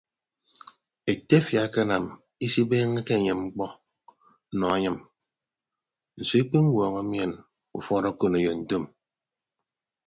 Etefia akenam ibeeñeke enye mkpọ nọ anyịm nso ikpiñwuọñọ mien ufọọd okoneyo ntom.